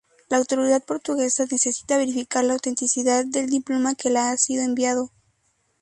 La autoridad portuguesa necesita verificar la autenticidad del diploma que le ha sido enviado.